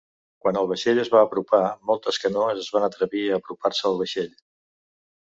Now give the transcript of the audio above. Quan el vaixell es va apropar, moltes canoes es van atrevir a apropar-se al vaixell.